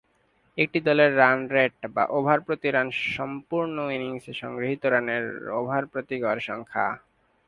একটি দলের run rate বা ওভার প্রতি রান সম্পূর্ণ ইনিংসে সংগৃহীত রানের ওভার প্রতি গড় সংখ্যা।